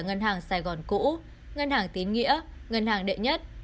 ngân hàng sài gòn cũ ngân hàng tín nghĩa ngân hàng đệ nhất